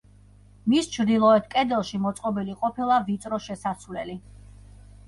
მის ჩრდილოეთ კედელში მოწყობილი ყოფილა ვიწრო შესასვლელი.